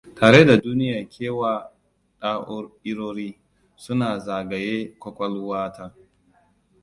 Tare da duniya kewaya da'irori suna zagaye kwakwalwata.